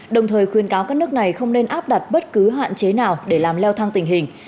đồng thời khuyên cáo các nước này không nên áp đặt bất cứ hạn chế nào để làm leo thang tình hình